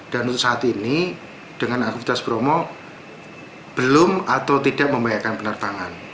dan untuk saat ini dengan aktivitas bromo belum atau tidak membahayakan penerbangan